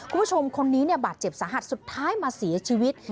คุณผู้ชมคนนี้เนี่ยบาดเจ็บสาหัสสุดท้ายมาเสียชีวิต